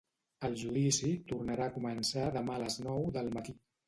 El judici tornarà a començar demà a les nou del matí.